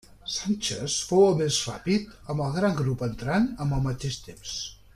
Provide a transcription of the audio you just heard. Sánchez fou el més ràpid, amb el gran grup entrant amb el mateix temps.